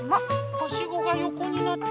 はしごがよこになって。